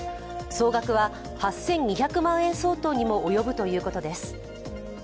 総額は８２００万円相当にも及ぶということです。